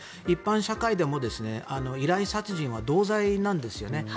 一般社会でも依頼殺人は同罪なんですよね。